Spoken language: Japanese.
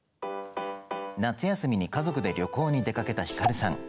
夏休みに家族で旅行に出かけた光さん。